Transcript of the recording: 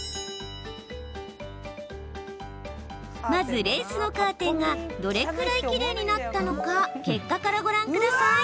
まず、レースのカーテンがどれくらいきれいになったのか結果から、ご覧ください。